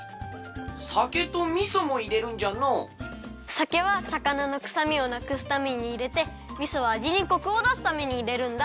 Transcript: さけはさかなのくさみをなくすためにいれてみそはあじにコクをだすためにいれるんだ。